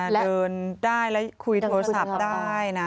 เดินได้แล้วคุยโทรศัพท์ได้นะ